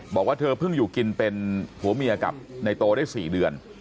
บอกว่าเธอเพิ่งอยู่กินเป็นผัวเมียกับในโตได้๔เดือน